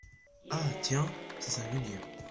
Ah ! tiens ! c’est singulier !